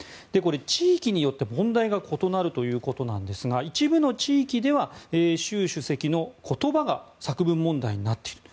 地域によって問題が異なるということなんですが一部の地域では、習主席の言葉が作文問題になっていると。